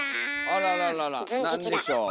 あらららら何でしょう？